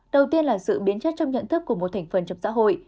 đầu tiên là sự biến chất trong nhận thức của một thành phần trong xã hội